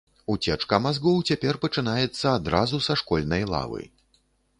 Уцечка мазгоў цяпер пачынаецца адразу са школьнай лавы.